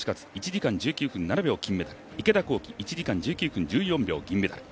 １時間１９分７秒池田向希１時間１９分１４秒銀メダル。